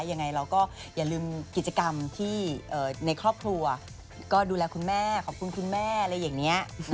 ยังไงเราก็อย่าลืมกิจกรรมที่ในครอบครัวก็ดูแลคุณแม่ขอบคุณคุณแม่อะไรอย่างนี้